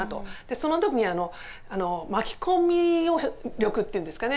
その時に巻き込み力っていうんですかね